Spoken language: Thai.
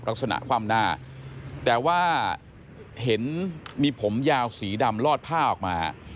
ลักษณะคว่าแต่ว่าเห็นมีผมยาวสีดำลอดพาออกมา